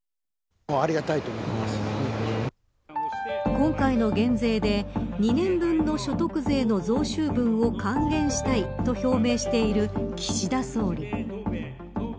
今回の減税で２年分の所得税の増収分を還元したいと表明している岸田総理。